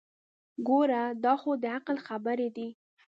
ګوره دا خو دعقل خبرې دي.